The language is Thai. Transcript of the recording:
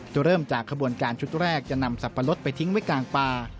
เริ่มจากขบวนการชุดแรกจะนำสับปะรดไปทิ้งไว้กลางป่า